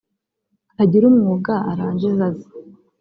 agira umwuga arangiza azi